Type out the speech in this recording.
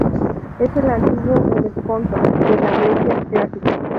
Es el antiguo "Helesponto" de la Grecia clásica.